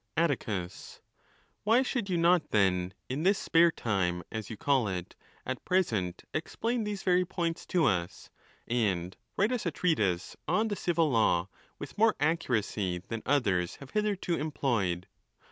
jee te . Atticus.—Why should you not then, in this spare time, as you callit, at present, explain these very points to us, and write usa treatise on the civil law with more accuracy than others have DD2 404 ON THE LAWS. hitherto employed.